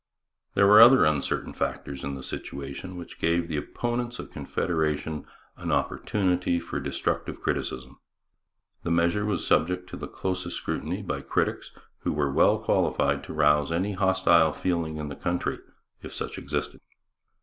There were other uncertain factors in the situation which gave the opponents of Confederation an opportunity for destructive criticism. The measure was subjected to the closest scrutiny by critics who were well qualified to rouse any hostile feeling in the country if such existed.